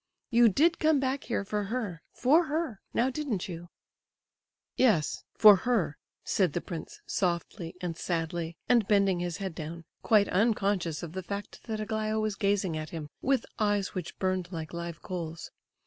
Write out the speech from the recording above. You did come back here for her, for her—now didn't you?" "Yes—for her!" said the prince softly and sadly, and bending his head down, quite unconscious of the fact that Aglaya was gazing at him with eyes which burned like live coals.